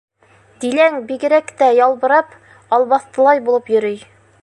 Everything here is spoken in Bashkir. Диләң бигерәк тә ялбырап, албаҫтылай булып йөрөй.